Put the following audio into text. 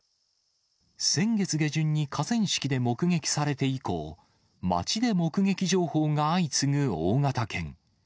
先月下旬に河川敷で目撃されて以降、町で目撃情報が相次ぐ大型犬。